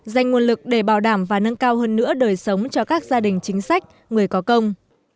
dành nguồn lực để bảo đảm và nâng cao hơn nữa đời sống cho các gia đình chính sách người có công